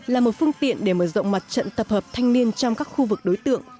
là một phương tiện để mở rộng mặt trận tập hợp thanh niên trong các khu vực đối tượng